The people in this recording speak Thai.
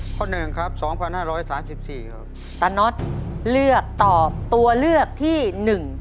หนึ่งครับสองพันห้าร้อยสามสิบสี่ครับตาน็อตเลือกตอบตัวเลือกที่หนึ่ง